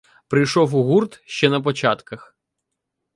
Прийшов у гурт ще на початках.